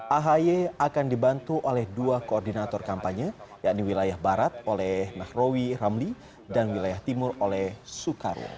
ahy akan dibantu oleh dua koordinator kampanye yakni wilayah barat oleh nahrawi ramli dan wilayah timur oleh soekarwo